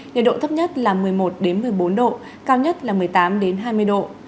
nhiệt độ thấp nhất là một mươi một một mươi bốn độ cao nhất là một mươi tám hai mươi độ